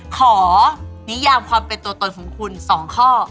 ขอนิยามความเป็นตัวตนของคุณ๒ข้อ